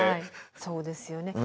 そうですよね